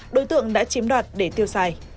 đối tượng đã chiếm đoạt để tiêu xài